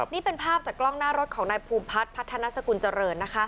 นี่เป็นภาพจากกล้องหน้ารถของนายภูมิพัฒน์พัฒนาสกุลเจริญนะคะ